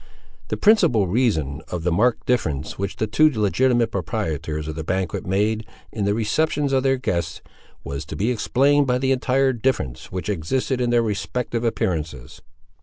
The principal reason of the marked difference which the two legitimate proprietors of the banquet made in the receptions of their guests, was to be explained by the entire difference which existed in their respective appearances.